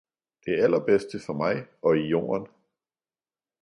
Det allerbedste for mig og i jorden